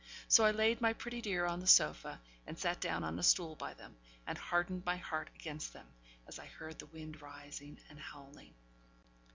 So I laid my pretty dear on the sofa, and sat down on a stool by them, and hardened my heart against them, as I heard the wind rising and howling.